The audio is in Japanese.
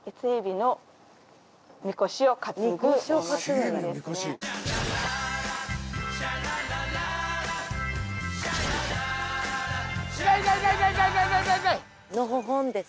のほほんです。